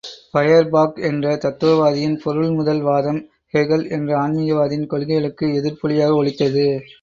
Feuerbach என்ற தத்துவவாதியின் பொருள்முதல் வாதம், Hegel என்ற ஆன்மீகவாதியின் கொள்கைகளுக்கு எதிர்ப்பொலியாக ஒலித்தது.